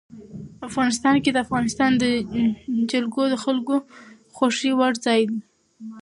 افغانستان کې د افغانستان جلکو د خلکو د خوښې وړ ځای دی.